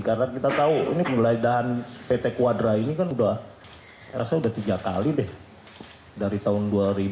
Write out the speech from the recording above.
karena kita tahu ini penulai daan petek kuadra ini kan udah saya rasa udah tiga kali deh dari tahun dua ribu